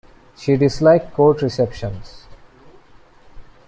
She disliked court receptions.